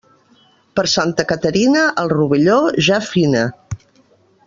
Per Santa Caterina, el rovelló ja fina.